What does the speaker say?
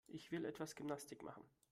Ich will etwas Gymnastik machen.